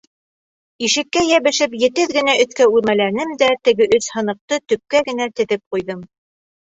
Ишеккә йәбешеп етеҙ генә өҫкә үрмәләнем дә теге өс һыныҡты төпкә генә теҙеп ҡуйҙым.